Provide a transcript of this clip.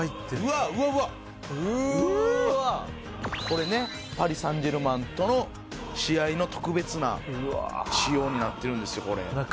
これねパリ・サン＝ジェルマンとの試合の特別な仕様になってるんですよこれ。